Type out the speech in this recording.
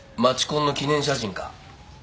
コンの記念写真か。